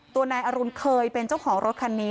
นายอรุณเคยเป็นเจ้าของรถคันนี้